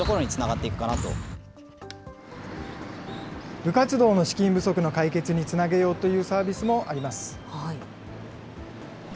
部活動の資金不足の解決につなげようというサービスもあります。